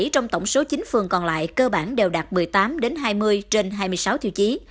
bảy trong tổng số chín phường còn lại cơ bản đều đạt một mươi tám hai mươi trên hai mươi sáu tiêu chí